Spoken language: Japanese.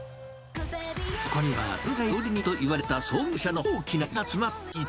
そこには天才料理人といわれた創業者の大きな夢が詰まっていた。